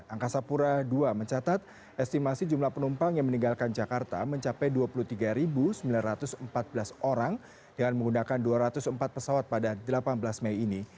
angkasa pura ii mencatat estimasi jumlah penumpang yang meninggalkan jakarta mencapai dua puluh tiga sembilan ratus empat belas orang dengan menggunakan dua ratus empat pesawat pada delapan belas mei ini